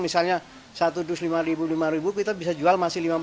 misalnya satu dus lima ribu lima ribu kita bisa jual masih lima belas